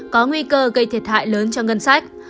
có nguy cơ gây thiệt hại lớn cho ngân sách